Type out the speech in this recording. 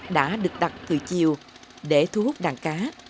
đã được đặt từ chiều để thu hút đàn cá